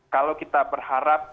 kalau kita berharap